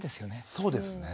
そうですね